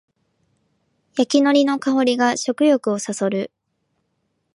焼きのりの香りが食欲をそそる